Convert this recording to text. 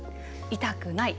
痛くない！